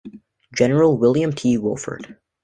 General William T. Wofford.